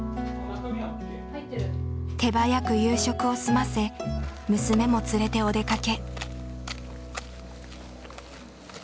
手早く夕食を済ませ娘も連れてお出かけ。